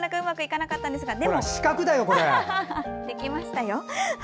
でも、できましたよ。